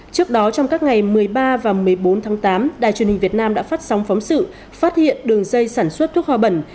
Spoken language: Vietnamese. trước đó trong các ngày một mươi ba và một mươi bốn tháng tám đài truyền hình việt nam đã phát sóng phóng sự phát hiện đường dây sản xuất thuốc hoa bẩn